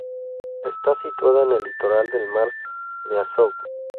Está situada en el litoral del mar de Azov.